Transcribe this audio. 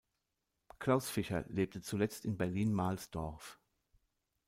Klaus Fischer lebte zuletzt in Berlin-Mahlsdorf.